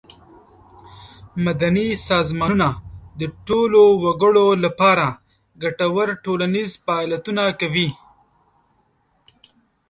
مدني سازمانونه د ټولو وګړو له پاره ګټور ټولنیز فعالیتونه کوي.